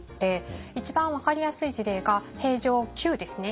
一番分かりやすい事例が平城宮ですね。